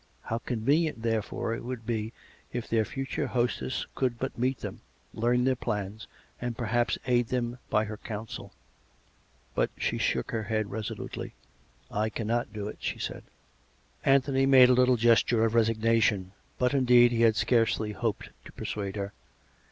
How conve nient, therefore, it would be if their future hostess could but meet them, learn their plans, and perhaps aid them by her counsel. But she shook her head resolutely. " I cannot do it," she said. Anthony made a little gesture of resignation. But, in deed, he had scarcely hoped to persuade her.